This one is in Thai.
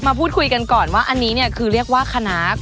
พูดคุยกันก่อนว่าอันนี้เนี่ยคือเรียกว่าคณะ